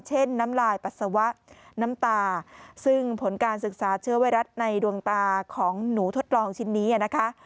น้ำลายปัสสาวะน้ำตาซึ่งผลการศึกษาเชื้อไวรัสในดวงตาของหนูทดลองชิ้นนี้นะคะ